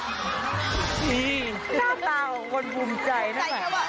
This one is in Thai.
นี่หน้าเต่าภูมิใจนะคะ